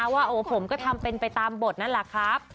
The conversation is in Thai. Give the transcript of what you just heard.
ว่าโอ้ผมก็ทำเป็นไปตามบทนั่นแหละครับ